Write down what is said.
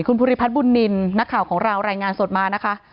คุณภูริพัฒน์บุญนินนักข่าวของเรารายงานสดมานะคะ